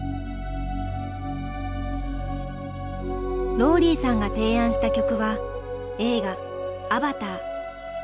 ローリーさんが提案した曲は映画「アバター」。